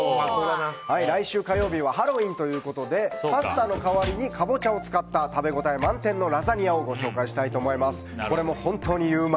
来週火曜日はハロウィーンということでパスタの代わりにカボチャを使った食べ応え満点のラザニアをご紹介したいと思います。